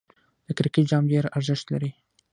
د کرکټ جام ډېر ارزښت لري.